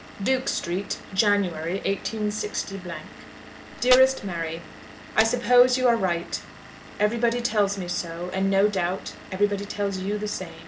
Duke Street, January, 186 . DEAREST MARY, I suppose you are right. Everybody tells me so, and no doubt everybody tells you the same.